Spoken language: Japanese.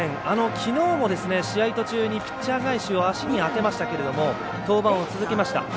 きのうも試合途中にピッチャー返しを足に当てましたけれども登板を続けました。